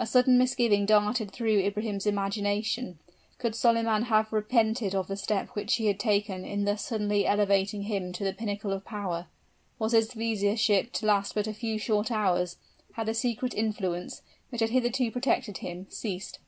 A sudden misgiving darted through Ibrahim's imagination. Could Solyman have repented of the step which he had taken in thus suddenly elevating him to the pinnacle of power? Was his viziership to last but a few short hours? had the secret influence, which had hitherto protected him, ceased?